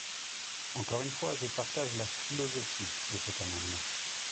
Encore une fois, je partage la philosophie de cet amendement.